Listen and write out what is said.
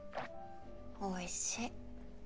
おいしい。